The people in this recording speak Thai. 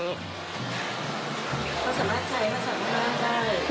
ภาษามากใจภาษาภาษาได้